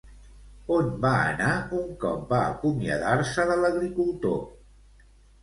On va anar un cop va acomiadar-se de l'agricultor?